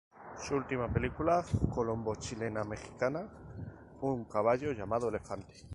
Su última película colombo chilena mexicana Un Caballo Llamado Elefante.